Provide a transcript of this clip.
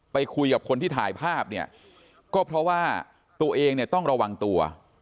ไปคุยกับคนที่ถ่ายภาพเนี่ยก็เพราะว่าตัวเองเนี่ยต้องระวังตัว